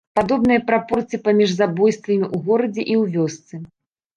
Падобная прапорцыя паміж забойствамі ў горадзе і ў вёсцы.